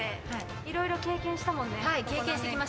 いろいろ経験したもんね。